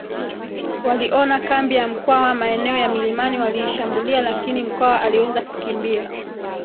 waliona kambi ya Mkwawa maeneo ya milimani waliishambulia lakini Mkwawa aliweza kukimbia